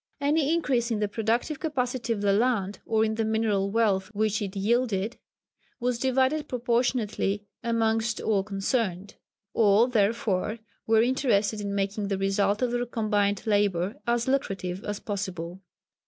Any increase in the productive capacity of the land, or in the mineral wealth which it yielded, was divided proportionately amongst all concerned all, therefore, were interested in making the result of their combined labour as lucrative as possible.